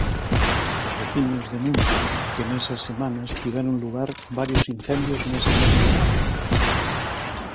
Os veciños denuncian que nestas semanas tiveron lugar varios incendios nesa mesma zona.